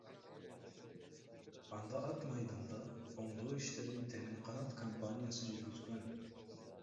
Анда ат майданда оңдоо иштерин Темир Канат компаниясы жүргүзгөн.